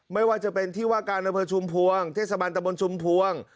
ไม่ว่าจะเป็นที่ว่าการอำเภอชุมพวงเทศบาลตะบนชุมพวง